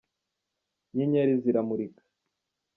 Inyenyeri ziramurika.